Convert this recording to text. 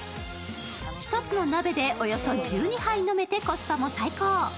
１つの鍋でおよそ１２杯飲めてコスパも最高。